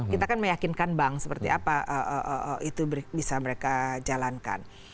kita kan meyakinkan bank seperti apa itu bisa mereka jalankan